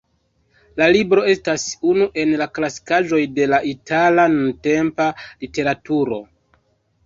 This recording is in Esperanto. La libro estas unu el la klasikaĵoj de la itala nuntempa literaturo.